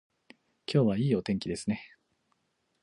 今日はいいお天気ですね